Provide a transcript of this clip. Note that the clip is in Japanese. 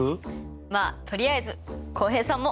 まあとりあえず浩平さんも！